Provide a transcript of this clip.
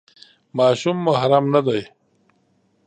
ماشوم محرم نه دی.